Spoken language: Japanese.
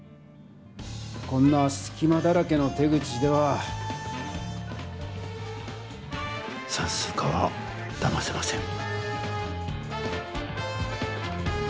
こんなすきまだらけの手口ではさんすう課はだませません！